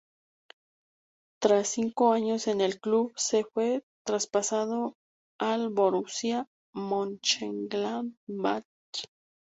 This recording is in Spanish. Tras cinco años en el club se fue traspasado al Borussia Mönchengladbach.